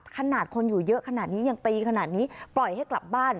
ขนาดคนอยู่เยอะขนาดนี้ยังตีขนาดนี้ปล่อยให้กลับบ้าน